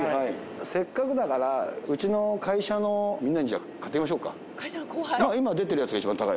せっかくだからうちの会社のみんなに買っていきましょうか。